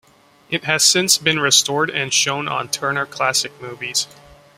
It has since been restored and shown on Turner Classic Movies.